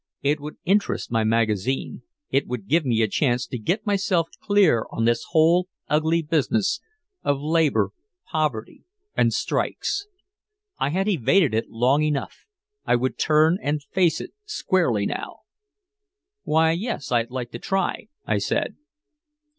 It would interest my magazine, it would give me a chance to get myself clear on this whole ugly business of labor, poverty and strikes. I had evaded it long enough, I would turn and face it squarely now. "Why yes, I'd like to try," I said.